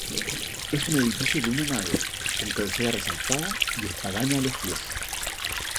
Es un edificio de una nave con cabecera resaltada y espadaña a los pies.